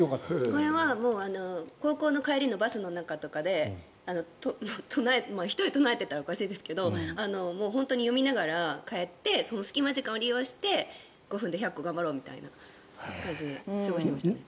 これは高校の帰りのバスの中とかで１人で唱えてたらおかしいですけど読みながら帰ってその隙間時間を利用して５分で１００個頑張ろうみたいな感じで過ごしてましたね。